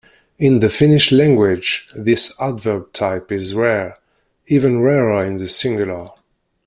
In the Finnish language, this adverb type is rare, even rarer in the singular.